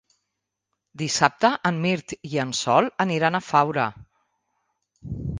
Dissabte en Mirt i en Sol aniran a Faura.